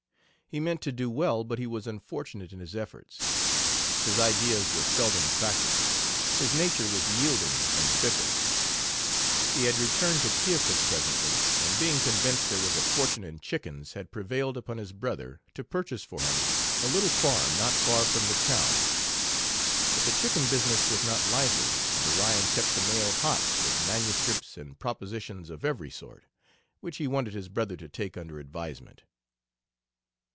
He meant to do well, but he was unfortunate in his efforts. His ideas were seldom practical, his nature was yielding and fickle. He had returned to Keokuk presently, and being convinced there was a fortune in chickens, had prevailed upon his brother to purchase for him a little farm not far from the town. But the chicken business was not lively and Orion kept the mail hot with manuscripts and propositions of every sort, which he wanted his brother to take under advisement.